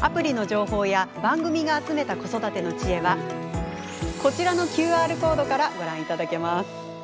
アプリの情報や番組が集めた子育てのチエはこちらのＱＲコードからご覧いただけます。